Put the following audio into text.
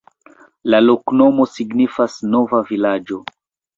La loknomo signifas: nova vilaĝo.